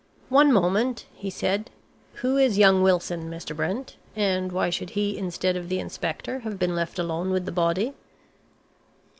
"One moment," he said. "Who is young Wilson, Mr. Brent, and why should he instead of the inspector have been left alone with the body?"